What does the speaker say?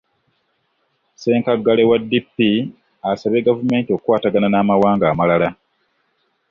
Ssenkaggale wa DP asabye gavumenti okukwatagana n'amawanga amalala.